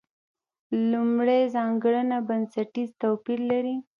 لومړۍ ځانګړنه بنسټیز توپیر لري.